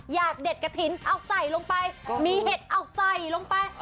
เด็ดกระถิ่นเอาใส่ลงไปมีเห็ดเอาใส่ลงไป